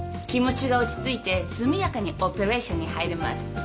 気持ちが落ち着いて速やかにオペレーションに入れます。